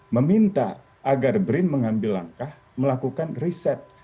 meminta agar brin mengambil langkah melakukan riset